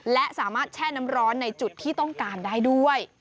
และสามารถแช่น้ำร้อนในจุดที่ต้องการได้ด้วย